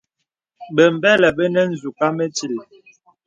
Bəmbə̀lə bə nə nzūk à mətíl.